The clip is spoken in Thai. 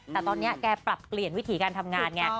แต่ตอนนี้แกปรับเปลี่ยนวิถีการทำงานไง